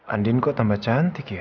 andin kok tambah cantik ya